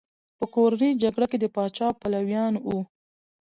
په کورنۍ جګړه کې د پاچا پلویان وو.